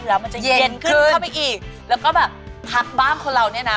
แล้วมันจะเย็นเย็นขึ้นเข้าไปอีกแล้วก็แบบพักบ้านคนเราเนี่ยนะ